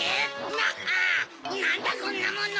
なんだこんなもの！